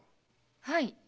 はい。